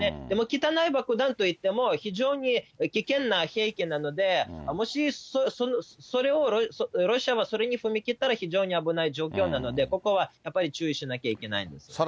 でも、汚い爆弾といっても、非常に危険な兵器なので、もしそれを、ロシアもそれに踏み切ったら、非常に危ない状況なので、ここはやっぱり注意しなきゃいけないんです。